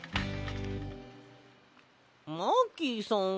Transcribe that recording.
マーキーさん